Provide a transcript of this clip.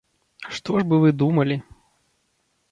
Што ж бы вы думалі?